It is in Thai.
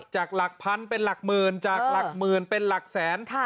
จากหลักพันเป็นหลักหมื่นจากหลักหมื่นเป็นหลักแสน